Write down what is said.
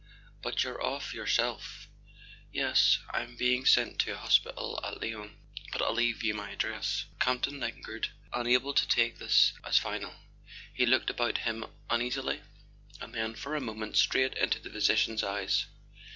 "But you're off yourself?" "Yes: I'm being sent to a hospital at Lyons. But I'll leave you my address." Campton lingered, unable to take this as final. He looked about him uneasily, and then, for a moment, straight into the physician's eyes.